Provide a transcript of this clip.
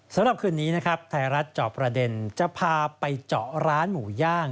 สำหรับคืนนี้นะครับไทยรัฐเจาะประเด็นจะพาไปเจาะร้านหมูย่าง